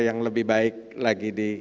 yang lebih baik lagi di